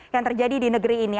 yang terjadi di negeri ini